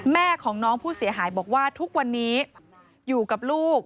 แม่ของน้องผู้เสียหายบอกว่าทุกวันนี้อยู่กับลูก